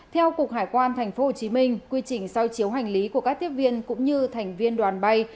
theo cục hải quan tp hcm quy trình soi chiếu hành lý của các tiếp viên cũng như thành viên đoàn bay